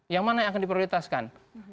yang mana yang akan diprioritaskan